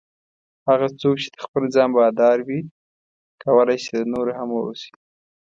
هغه څوک چې د خپل ځان بادار وي کولای شي د نورو هم واوسي.